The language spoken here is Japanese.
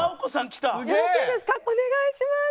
お願いします。